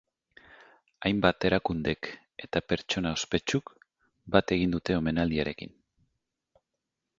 Hainbat erakundek eta pertsona ospetsuk bat egin dute omenaldiarekin.